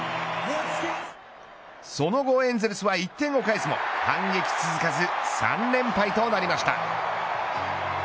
その後エンゼルスは１点を返すも反撃続かず３連敗となりました。